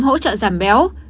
hỗ trợ giảm béo